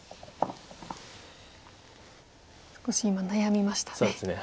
少し今悩みましたね。